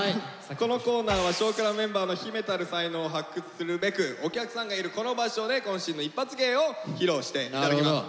このコーナーは「少クラ」メンバーの秘めたる才能を発掘するべくお客さんがいるこの場所でこん身のイッパツ芸を披露していただきます。